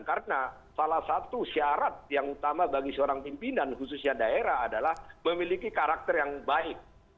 karena salah satu syarat yang utama bagi seorang pimpinan khususnya daerah adalah memiliki karakter yang baik